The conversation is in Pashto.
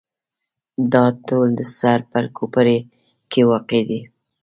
دا ټول د سر په کوپړۍ کې واقع دي.